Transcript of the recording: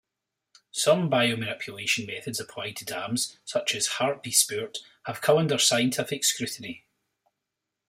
Some biomanipulation methods applied to dams such as Hartbeespoort have come under scientific scrutiny.